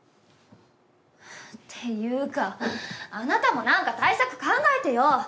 っていうかあなたもなんか対策考えてよ。